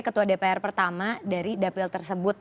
ketua dpr pertama dari dapil tersebut